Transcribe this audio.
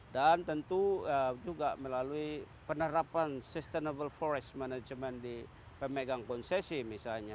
dan tentu juga melalui penerapan sustainable forest management di pemegang konsesi misalnya